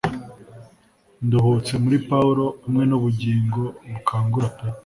Nduhutse muri Pawulo hamwe nubugingo bukangura pe